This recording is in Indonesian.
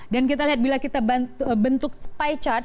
dan kita lihat bila kita bentuk spy chart